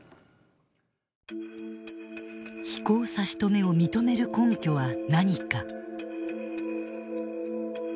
飛行差し止めを認める根拠は何か。